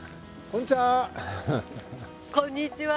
こんにちは。